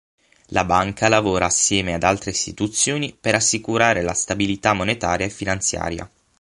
La Banca lavora assieme ad altre istituzioni per assicurare la stabilità monetaria e finanziaria.